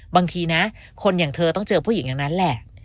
บางทีนะคนอย่างเธอต้องเจอผู้หญิงอย่างนั้นแหละ